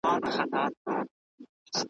شاعره ویښ یې کنه,